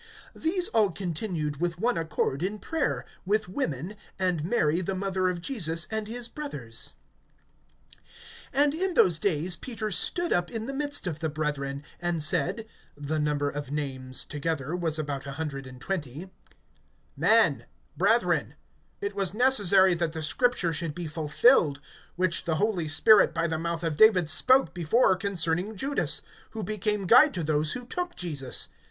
(14)These all continued with one accord in prayer, with women, and Mary the mother of Jesus, and his brothers. (15)And in those days Peter stood up in the midst of the brethren, and said (the number of names together was about a hundred and twenty): (16)Men, brethren, it was necessary that the scripture should be fulfilled, which the Holy Spirit by the mouth of David spoke before concerning Judas, who became guide to those who took Jesus.